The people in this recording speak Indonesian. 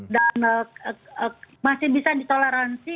dan masih bisa ditoleransi